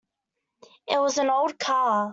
It was an old car.